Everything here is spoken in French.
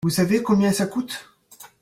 Vous savez combien ça coûte ?